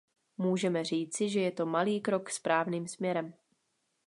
Můžeme říci, že je to malý krok správným směrem.